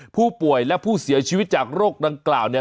ผู้ป่วยและผู้เสียชีวิตจากโรคดังกล่าวเนี่ย